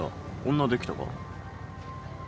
女できたか？